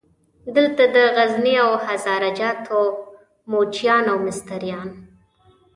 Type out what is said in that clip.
دلته د غزني او هزاره جاتو موچیان او مستریان.